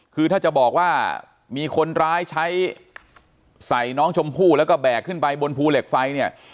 คือถ้าจะบอกว่ามีคนร้ายใช้ใส่น้องชมพู่แล้วก็แบกขึ้นไปบนภูเหล็กไฟเนี่ย